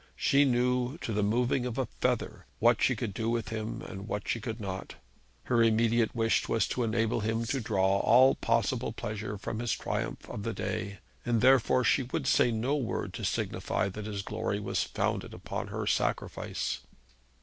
She knew, to the moving of a feather, what she could do with him and what she could not. Her immediate wish was to enable him to draw all possible pleasure from his triumph of the day, and therefore she would say no word to signify that his glory was founded on her sacrifice.